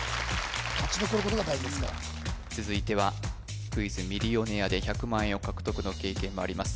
勝ち残ることが大事ですから続いては「クイズ＄ミリオネア」で１００万円を獲得の経験もあります